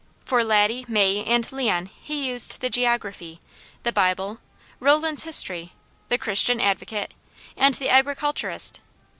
For Laddie, May and Leon he used the geography, the Bible, Roland's history, the Christian Advocate, and the Agriculturist.